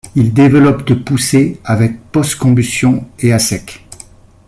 Il développe de poussée avec post combustion et à sec.